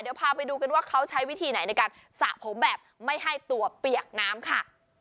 เดี๋ยวพาไปดูกันว่าเขาใช้วิธีไหนในการสระผมแบบไม่ให้ตัวเปียกน้ำค่ะ